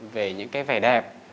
về những cái vẻ đẹp